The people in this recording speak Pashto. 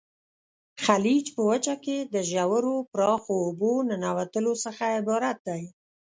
خلیج په وچه کې د ژورو پراخو اوبو ننوتلو څخه عبارت دی.